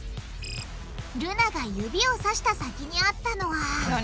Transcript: ルナが指をさした先にあったのは何？